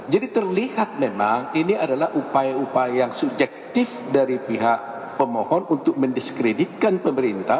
jadi terlihat memang ini adalah upaya upaya yang subjektif dari pihak pemohon untuk mendiskreditkan pemerintah